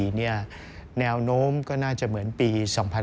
แนวโน้มก็น่าจะเหมือนปี๒๕๕๙